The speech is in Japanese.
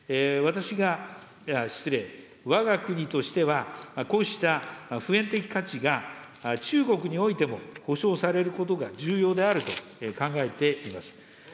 私が、失礼、わが国としては、こうした普遍的価値が中国においても保障されることが重要であると考えています。